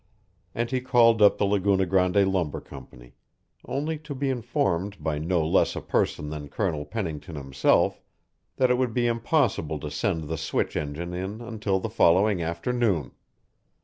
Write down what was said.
And he called up the Laguna Grande Lumber Company only to be informed by no less a person than Colonel Pennington himself that it would be impossible to send the switch engine in until the following afternoon.